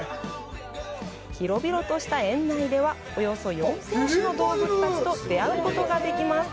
広々とした園内では、およそ４０００種の動物たちと出会うことができます。